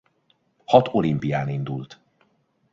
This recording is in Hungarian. Hat olimpián indult.